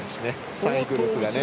３位グループが。